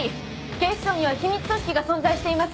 警視庁には秘密組織が存在しています。